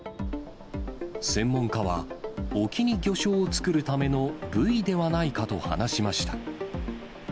専門家は、沖に漁礁を作るためのブイではないかと話しました。